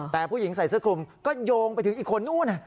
แต่ผู้หญิงใส่เสื้อคลุมก็โยงไปถึงอีกคนนู้น